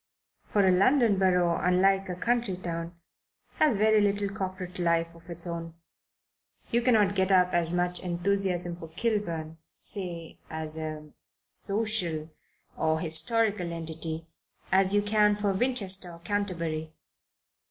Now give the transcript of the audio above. For a London borough, unlike a country town, has very little corporate life of its own. You cannot get up as much enthusiasm for Kilburn, say, as a social or historical entity, as you can for Winchester or Canterbury.